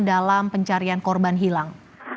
dalam pencarian korban hilang